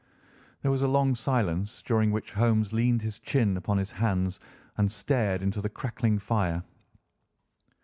There was a long silence, during which Holmes leaned his chin upon his hands and stared into the crackling fire.